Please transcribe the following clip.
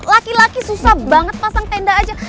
laki laki susah banget pasang tenda aja